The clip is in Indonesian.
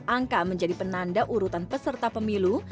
angka menjadi penanda urutan peserta pemilu